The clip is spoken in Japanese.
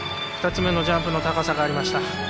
２つ目のジャンプの高さがありました。